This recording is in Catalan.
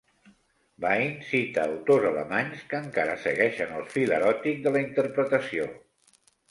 Vine cita autors alemanys que encara segueixen el fil eròtic de la interpretació.